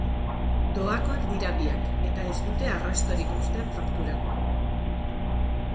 Doakoak dira biak, eta ez dute arrastorik uzten fakturan.